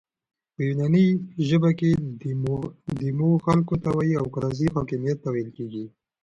په یوناني ژبه کښي ديمو خلکو ته وایي او کراسي حاکمیت ته ویل کیږي.